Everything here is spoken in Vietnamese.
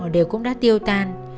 đều cũng đã tiêu tan